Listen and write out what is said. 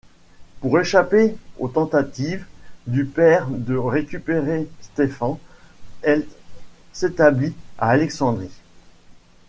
Pour échapper aux tentatives du père de récupérer Stephan, elle s'établit à Alexandrie.